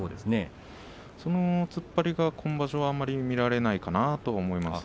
その突っ張りが今場所あまり見られないかなと思います。